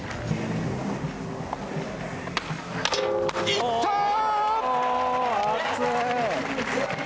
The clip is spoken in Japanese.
いったー。